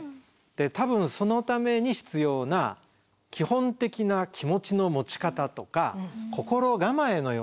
で多分そのために必要な基本的な気持ちの持ち方とか心構えのようなもの。